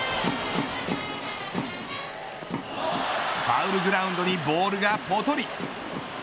ファウルグラウンドにボールがぽとり。